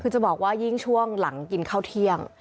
คือจะบอกว่ายิ่งช่วงหลังกินข้าวเที่ยง